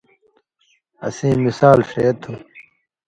اسیں مِثال ݜے تھُو۔